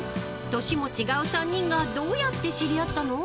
［年も違う３人がどうやって知り合ったの？］